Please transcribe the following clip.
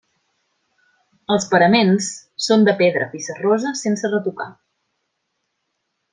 Els paraments són de pedra pissarrosa sense retocar.